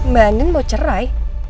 mbak andin mau cerai